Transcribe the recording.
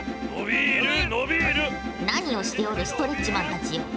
何をしておるストレッチマンたちよ。